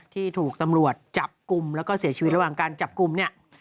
ที่ถูกตำรวจจับกลุ่มแล้วก็เสียชีวิตระหว่างการจับกลุ่มเนี่ย